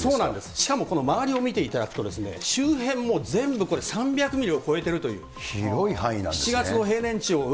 しかも周りを見ていただくと、周辺も全部これ、３００ミリを超えているという。